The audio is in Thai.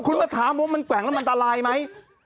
คุณมันถามกว่ามันกวั่งแล้วมันตาลายไหม